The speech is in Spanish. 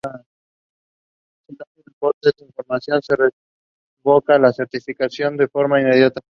Si no se reporta esta información, se revoca la certificación de forma inmediata.